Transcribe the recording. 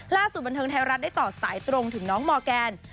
ล่าสุดบันทึงไทยรัฐได้ตอบสายตรงถึงน้องมอแกน